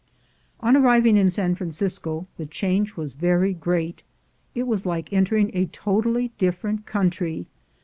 On arriving in San Francisco the change was very great — it was like entering a totally different coun try.